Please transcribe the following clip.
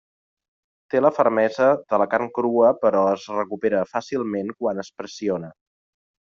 Té la fermesa de la carn crua però es recupera fàcilment quan es pressiona.